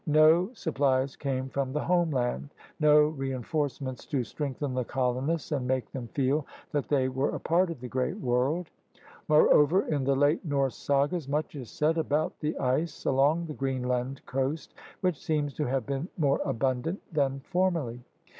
No supplies came from the home land, no reenforcements to strengthen the colonists and make them feel that they were a part of the great world. Moreover in the late Norse sagas much is said about the ice along the Greenland coast, which seems to have been more abundant than formerly.